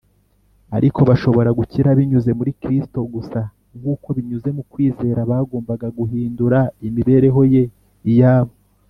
; ariko bashoboraga gukira binyuze muri Kristo gusa nk’uko binyuze mu kwizera bagombaga guhindura imiberehoYe iyabo